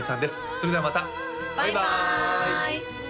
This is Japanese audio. それではまたバイバーイ！